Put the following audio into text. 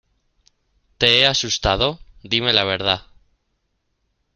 ¿ Te he asustado? Dime la verdad.